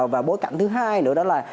và bối cảnh thứ hai nữa đó là